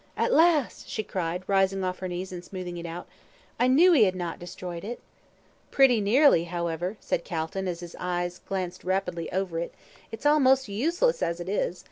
"At last," she cried, rising off her knees, and smoothing it out; "I knew he had not destroyed it." "Pretty nearly, however," said Calton, as his eye glanced rapidly over it; "it's almost useless as it is.